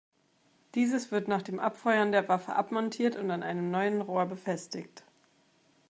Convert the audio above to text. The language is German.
Dieses wird nach dem Abfeuern der Waffe abmontiert und an einem neuen Rohr befestigt.